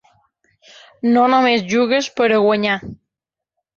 No només jugues per a guanyar.